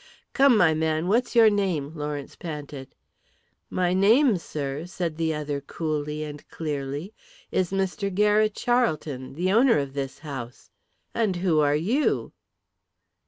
"Come my man, what's your name?" Lawrence panted. "My name, sir," said the other coolly and clearly, "is Mr. Garrett Charlton, the owner of this house. And who are you?"